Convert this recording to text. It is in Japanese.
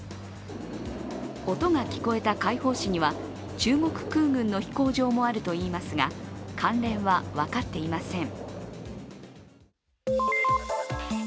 音が聞こえた開封市には中国空軍の飛行場もあるといいますが、関連は分かっていません。